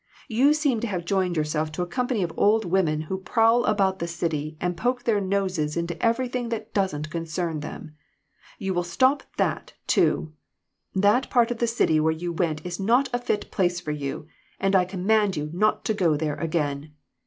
You seem to have joined yourself to a company of old women who prowl about the city and poke their noses into everything that doesn't concern them. You will stop that, too. That part of the city where you went is not a fit place for you, and I command you not to go there again.